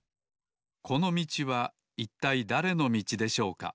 このみちはいったいだれのみちでしょうか？